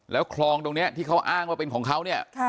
แล้วคลองตรงนี้ที่เขาอ้างว่าเป็นของเขาเนี่ย